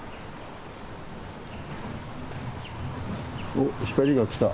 おっ光が来た。